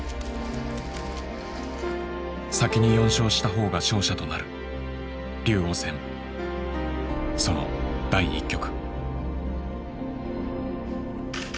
先に４勝した方が勝者となる竜王戦その第１局。